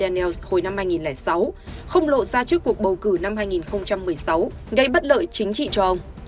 vnut hồi năm hai nghìn sáu không lộ ra trước cuộc bầu cử năm hai nghìn một mươi sáu gây bất lợi chính trị cho ông